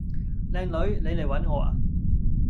靚女，你嚟搵我呀